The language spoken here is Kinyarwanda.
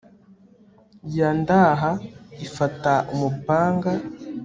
Ya ndaha ifata umupanga